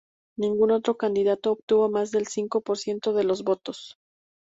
Ningún otro candidato obtuvo más del cinco por ciento de los votos.